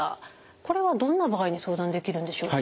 これはどんな場合に相談できるんでしょうか？